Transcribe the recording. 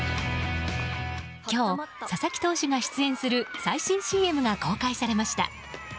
今日、佐々木投手が出演する最新ＣＭが公開されました。